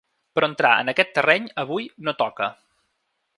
Però entrar en aquest terreny, avui, no toca.